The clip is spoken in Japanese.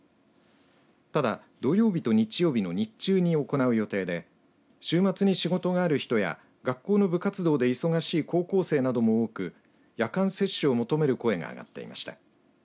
ただ、土曜日と日曜日の日中に行う予定で週末に仕事がある人や学校の部活動で忙しい高校生なども多く夜間接種を求める声が上がっていました。